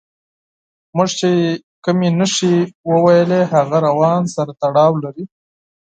موږ چې کومې نښې وویلې هغه روان سره تړاو لري.